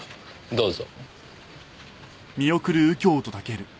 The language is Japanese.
どうぞ。